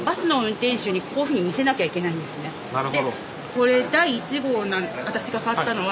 これ第１号私が買ったのは。